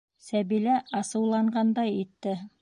Сәбилә асыуланғандай итте: